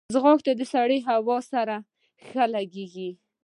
ځغاسته د سړې هوا سره ښه لګیږي